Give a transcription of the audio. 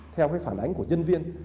theo cái phản ánh của nhân viên